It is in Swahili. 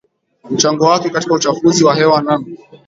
mchango wake katika uchafuzi wa hewa n